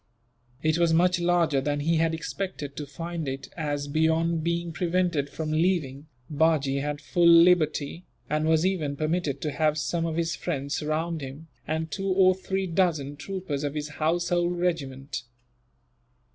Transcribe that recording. It was much larger than he had expected to find it as, beyond being prevented from leaving, Bajee had full liberty, and was even permitted to have some of his friends round him, and two or three dozen troopers of his household regiment.